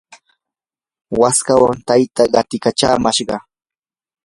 waskawan taytaa qatikachamashqa.